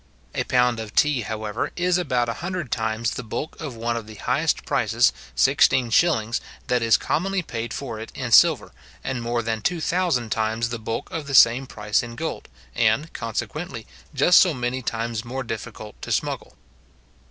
A pound of tea, however, is about a hundred times the bulk of one of the highest prices, sixteen shillings, that is commonly paid for it in silver, and more than two thousand times the bulk of the same price in gold, and, consequently, just so many times more difficult to smuggle.